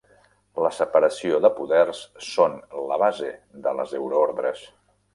La separació de poders són la base de les euroordres